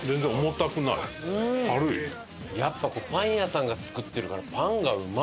やっぱパン屋さんが作ってるからパンがうまい！